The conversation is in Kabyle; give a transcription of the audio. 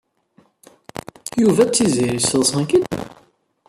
Yuba d Tiziri sseḍṣen-k-id, naɣ?